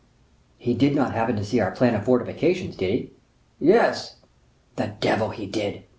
"He did not happen to see our plan of fortifications, did he?" "Yes." "The devil he did!"